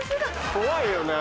怖いよな。